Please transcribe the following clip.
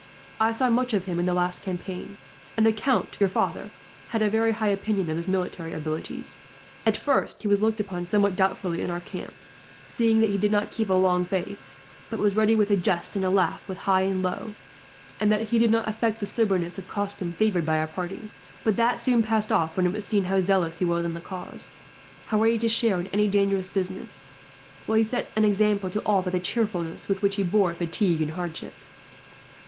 I saw much of him in the last campaign; and the count, your father, had a very high opinion of his military abilities. At first he was looked upon somewhat doubtfully in our camp, seeing that he did not keep a long face, but was ready with a jest and a laugh with high and low, and that he did not affect the soberness of costume favoured by our party; but that soon passed off, when it was seen how zealous he was in the cause, how ready to share in any dangerous business; while he set an example to all, by the cheerfulness with which he bore fatigue and hardship.